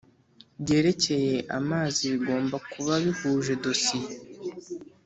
Byerekeye amazi bigomba kuba bihuje dosiye